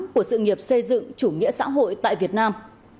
của sự nghiệp xây dựng chủ nghĩa xã hội tại việt nam